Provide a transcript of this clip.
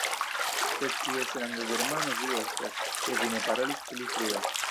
Sed kia stranga Germano vi estas, ke vi ne parolis pli frue!